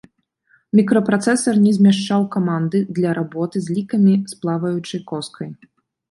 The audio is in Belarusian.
Мікрапрацэсар не змяшчаў каманды для работы з лікамі з плаваючай коскай.